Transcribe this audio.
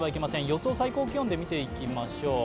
予想最高気温で見ていきましょう。